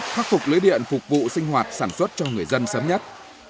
khắc phục lưới điện phục vụ sinh hoạt sản xuất cho người dân sớm nhất